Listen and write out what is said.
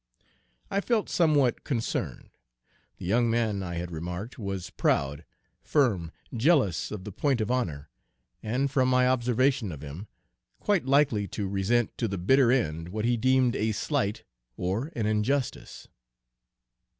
I felt somewhat concerned. The young man, I had remarked, was proud, firm, jealous of the point of honor, and, from my observation of him, quite likely to resent to the bitter end what he deemed a slight or an injustice.